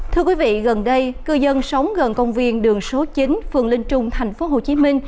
thưa quý vị gần đây cư dân sống gần công viên đường số chín phường linh trung tp hcm